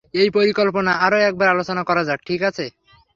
এই পরিকল্পনা আরও একবার আলোচনা করা যাক, ঠিক আছে?